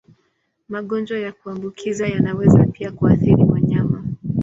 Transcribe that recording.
Magonjwa ya kuambukiza yanaweza pia kuathiri wanyama.